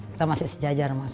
kita masih sejajar mas